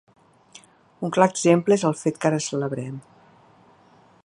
Un clar exemple és el fet que ara celebrem.